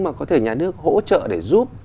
mà có thể nhà nước hỗ trợ để giúp